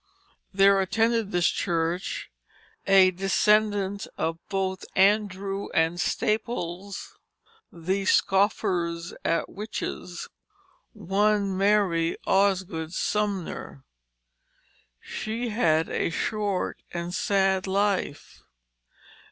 There attended this church a descendant of both Andrew and Staples, the scoffers at witches, one Mary Osgood Sumner. She had a short and sad life.